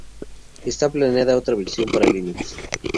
Está planeada otra versión para Linux.